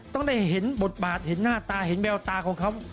ต้องได้เห็นบทบาทเห็นหน้าตาเห็นแววตาของเขา